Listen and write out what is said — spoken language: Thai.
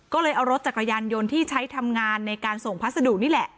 ก็เลยเอารถจักรยานยนต์ที่ใช้ทำงานในการส่งพัสดุนี่แหละ